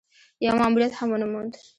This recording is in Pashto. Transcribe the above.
يو ماموريت هم ونه موند.